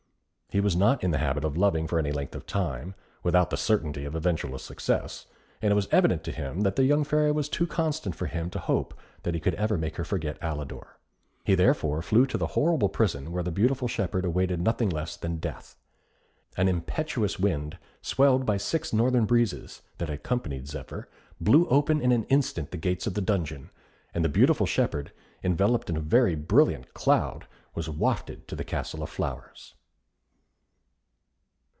He was not in the habit of loving for any length of time, without the certainty of eventual success; and it was evident to him that the young Fairy was too constant for him to hope that he could ever make her forget Alidor; he therefore flew to the horrible prison where the beautiful shepherd awaited nothing less than death. An impetuous wind, swelled by six northern breezes, that had accompanied Zephyr, blew open in an instant the gates of the dungeon, and the beautiful shepherd, enveloped in a very brilliant cloud, was wafted to the Castle of Flowers.